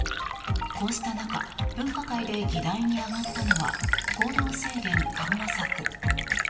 こうした中分科会で議題に挙がったのは行動制限緩和策。